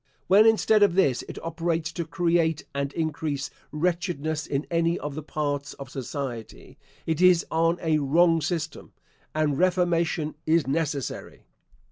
When, instead of this, it operates to create and increase wretchedness in any of the parts of society, it is on a wrong system, and reformation is necessary.